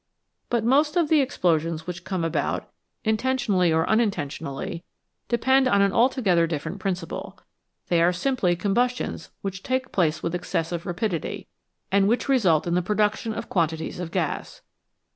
But most of the explosions which come about, intentionally or uninten tionally, depend on an altogether different principle ; they are simply combustions which take place with excessive rapidity, and which result in the production of quantities of gas.